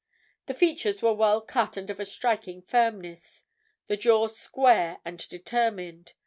The features were well cut and of a striking firmness; the jaw square and determined.